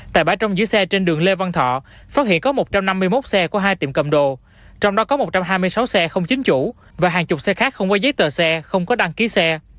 tại bãi trong giữ xe trên đường lê văn thọ phát hiện có một trăm năm mươi một xe của hai tiệm cầm đồ trong đó có một trăm hai mươi sáu xe không chính chủ và hàng chục xe khác không có giấy tờ xe không có đăng ký xe